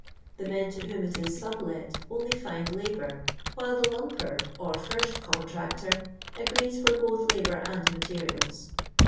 The men to whom it is sublet only fnid Libour, while the Mumper,* or first con tractor, agrees for both labour and materials.